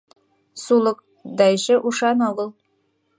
Сулык, да эше ушан огыл.